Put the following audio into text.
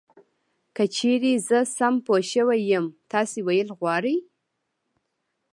که چېرې زه سم پوه شوی یم تاسې ویل غواړی .